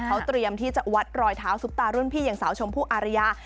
เขาเตรียมที่จะวัดรอยเท้าซุปตารุ่นพี่อย่างสาวชมพู่อารยา